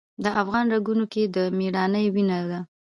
د افغان رګونو کې د میړانې وینه ده.